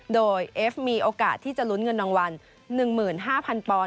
โดยเอฟมีโอกาสที่จะลุ้นเงินรางวัล๑๕๐๐๐ปอนด